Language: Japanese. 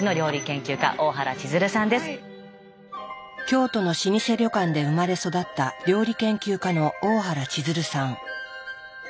京都の老舗旅館で生まれ育った料理研究家の大原千鶴さん。